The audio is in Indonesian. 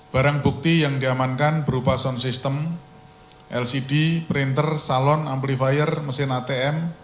barang bukti yang diamankan berupa sound system lcd printer salon amplifier mesin atm